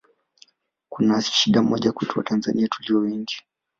kuna shida moja kwetu Watanzania tulio wengi